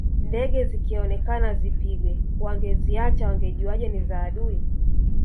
Ndege zikionekana zipigwe wangeziacha wangejuaje ni za adui